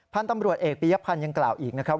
พันธุ์ตำรวจเอกปียพันธ์ยังกล่าวอีกนะครับ